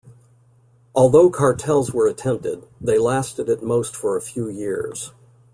Although cartels were attempted, they lasted at most for a few years.